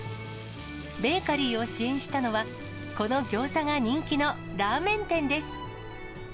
ベーカリーを支援したのは、このギョーザが人気のラーメン店です。